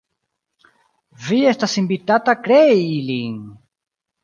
Vi estas invitata krei ilin!